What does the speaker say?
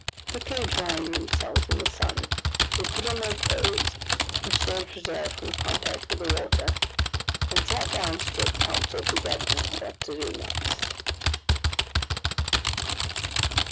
Quickly drying themselves in the sun, they put on their clothes, which they had preserved from contact with the water, and sat down to take counsel together what to do next.